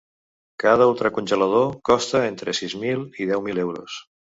Cada ultracongelador costa entre sis mil i deu mil euros.